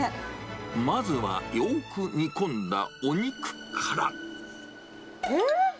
まずはよーく煮込んだお肉かえー？